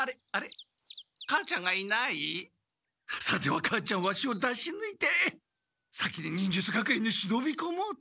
さては母ちゃんワシを出しぬいて先に忍術学園に忍びこもうと。